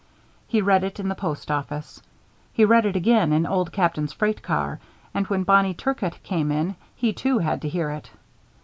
He read it in the post office. He read it again in Old Captain's freight car, and when Barney Turcott came in, he too had to hear it.